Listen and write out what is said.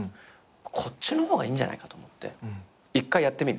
こっちの方がいいんじゃないかと思って１回やってみる。